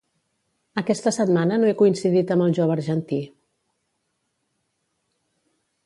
Aquesta setmana no he coincidit amb el jove argentí